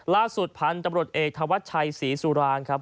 ล่าสุดพันธุ์ตำรวจเอกธวัชชัยศรีสุรางครับ